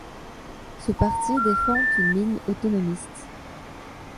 Ce parti défend une ligne autonomiste.